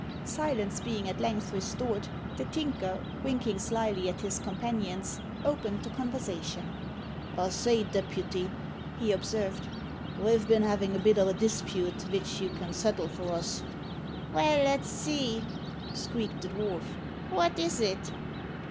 Silence being at length restored, the Tinker, winking slyly at his companions, opened the conversation. "I say, deputy," he observed, "ve've bin havin' a bit o' a dispute vich you can settle for us." "Well, let's see," squeaked the dwarf. "What is it?"